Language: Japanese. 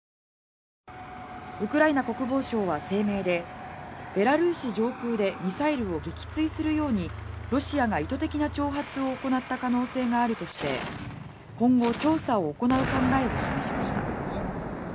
ウクライナ国防省は声明でベラルーシ上空でミサイルを撃墜するようにロシアが意図的な挑発を行った可能性があるとして今後、調査を行う考えを示しました。